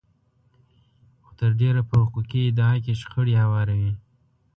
خو تر ډېره په حقوقي ادعا کې شخړې هواروي.